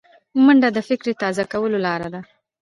منډه د فکر تازه کولو لاره ده